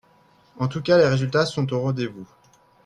En tout cas, les résultats sont au rendez-vous